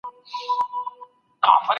کله د استیناف غوښتنه کولای سو؟